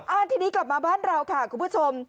ทีนี้กลับมาบ้านเราค่ะคุณผู้ชม